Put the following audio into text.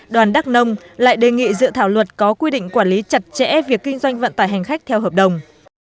đoàn đắk nông lại đề nghị dự thảo luật có quy định quản lý chặt chẽ việc kinh doanh vận tải hành khách theo hợp đồng